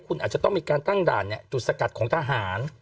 คุณอาจจะต้องมีการตั้งด่านจุดสกัดของทหาร